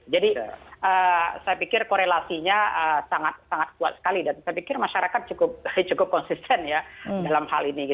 jadi saya pikir korelasinya sangat kuat sekali dan saya pikir masyarakat cukup konsisten ya dalam hal ini